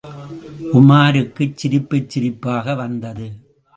உமாருக்கு சிரிப்புச் சிரிப்பாக வந்தது.